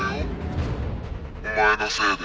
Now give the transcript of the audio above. お前のせいで。